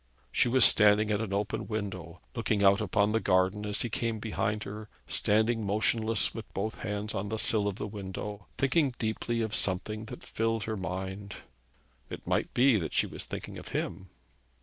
She was standing at an open window, looking out upon the garden as he came behind her, standing motionless with both hands on the sill of the window, thinking deeply of something that filled her mind. It might be that she was thinking of him.